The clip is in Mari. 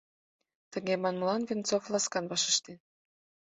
Тыге манмылан Венцов ласкан вашештен: